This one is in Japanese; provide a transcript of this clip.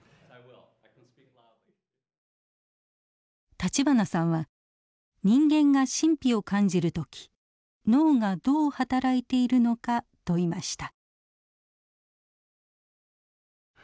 立花さんは人間が神秘を感じる時脳がどう働いているのか問いました。